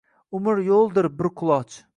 — Umr yo’ldir bir quloch.